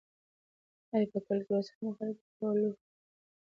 آیا په کلي کې اوس هم خلک د پولو په سر جګړې کوي؟